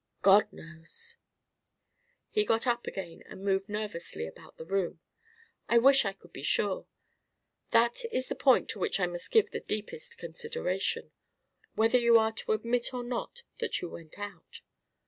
"God knows!" He got up again and moved nervously about the room. "I wish I could be sure. That is the point to which I must give the deepest consideration whether you are to admit or not that you went out.